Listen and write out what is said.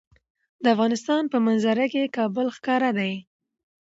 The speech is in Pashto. د افغانستان په منظره کې کابل ښکاره ده.